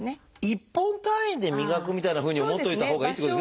１本単位で磨くみたいなふうに思っておいたほうがいいってことですね。